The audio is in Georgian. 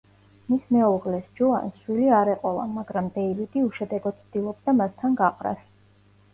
მის მეუღლეს, ჯოანს შვილი არ ეყოლა, მაგრამ დეივიდი უშედეგოდ ცდილობდა მასთან გაყრას.